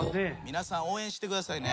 皆さん応援してくださいね。